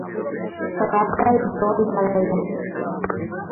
রাস্তায় জল দাঁড়াইয়াছে।